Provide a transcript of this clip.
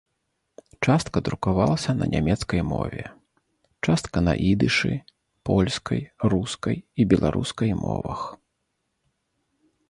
Частка друкавалася на нямецкай мове, частка на ідышы, польскай, рускай і беларускай мовах.